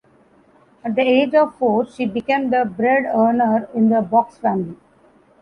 At the age of four she became the bread earner in the Bux family.